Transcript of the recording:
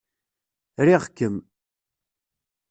Riɣ-kem!